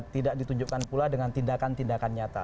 tidak ditunjukkan pula dengan tindakan tindakan nyata